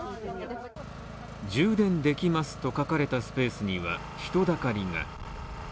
充電できますと書かれたスペースには人だかりが。